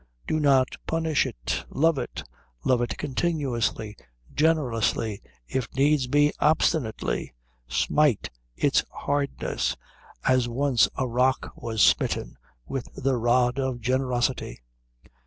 Do not punish it. Love it. Love it continuously, generously, if needs be obstinately; smite its hardness, as once a rock was smitten, with the rod of generosity.